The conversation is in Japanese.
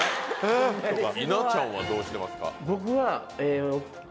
稲ちゃんはどうしてますか？